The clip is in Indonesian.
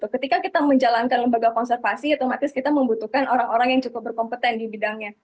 ketika kita menjalankan lembaga konservasi otomatis kita membutuhkan orang orang yang cukup berkompeten di bidangnya